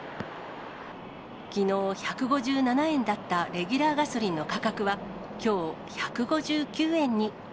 きのう１５７円だったレギュラーガソリンの価格は、きょう１５９円に。